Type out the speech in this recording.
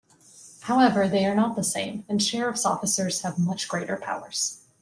However, they are not the same, and sheriff's officers have much greater powers.